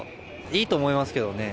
いいと思いますけどね。